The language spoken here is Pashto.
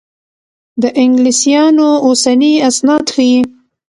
د انګلیسیانو اوسني اسناد ښيي.